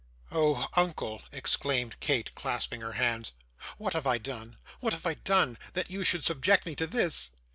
'Oh, uncle!' exclaimed Kate, clasping her hands. 'What have I done what have I done that you should subject me to this?